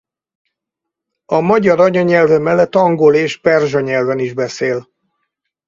A magyar anyanyelve mellett angol és perzsa nyelven is beszél.